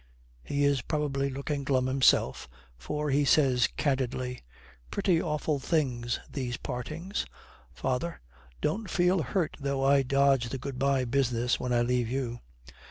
He is probably looking glum himself, for he says candidly, 'Pretty awful things, these partings. Father, don't feel hurt though I dodge the good bye business when I leave you.'